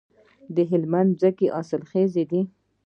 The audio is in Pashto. د هلمند ځمکې حاصلخیزه دي